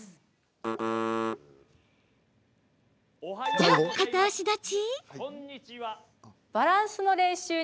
じゃあ、片足立ち？